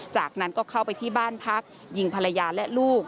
จากนั้นก็เข้าไปที่บ้านพักยิงภรรยาและลูก